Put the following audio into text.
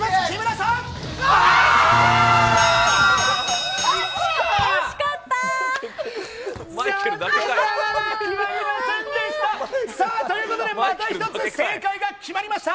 さあ、ということで、また一つ正解が決まりました。